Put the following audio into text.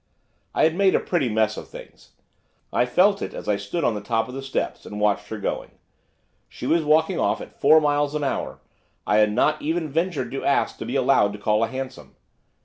I had made a pretty mess of things. I felt it as I stood on the top of the steps and watched her going, she was walking off at four miles an hour; I had not even ventured to ask to be allowed to call a hansom.